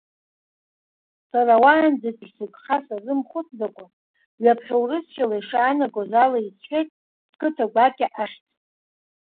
Сара уаанӡатәи сыгха сазымхәыцӡакәа, ҩаԥхьа урсышәала ишаанагоз ала исҳәеит сқыҭа гәакьа ахьӡ.